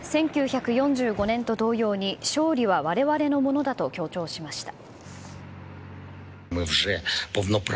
１９４５年と同様に勝利はわれわれのものだと強調しました。